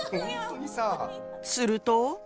すると。